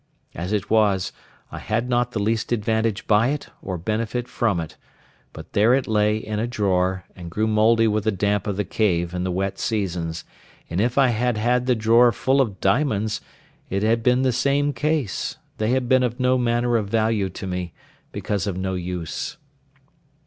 As it was, I had not the least advantage by it or benefit from it; but there it lay in a drawer, and grew mouldy with the damp of the cave in the wet seasons; and if I had had the drawer full of diamonds, it had been the same case—they had been of no manner of value to me, because of no use.